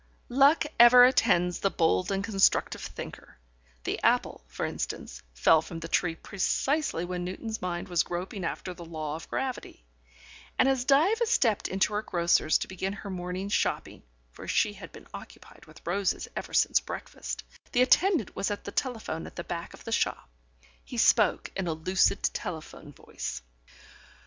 Luck ever attends the bold and constructive thinker: the apple, for instance, fell from the tree precisely when Newton's mind was groping after the law of gravity, and as Diva stepped into her grocer's to begin her morning's shopping (for she had been occupied with roses ever since breakfast) the attendant was at the telephone at the back of the shop. He spoke in a lucid telephone voice.